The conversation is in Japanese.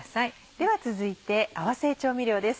では続いて合わせ調味料です。